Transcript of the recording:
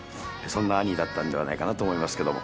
そんな『アニー』だったんではないかなと思いますけども。